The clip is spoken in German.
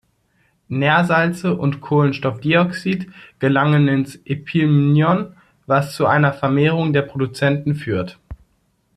Nährsalze und Kohlenstoffdioxid gelangen ins Epilimnion, was zu einer Vermehrung der Produzenten führt.